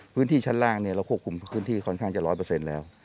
พื้นที่ชั้นล่างเราควบคุมพื้นที่ค่อนข้างจะร้อยเปอร์เซ็นต์แล้ว